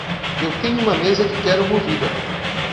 Eu tenho uma mesa que quero movida.